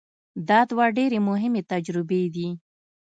دا دوه ډېرې مهمې تجربې دي.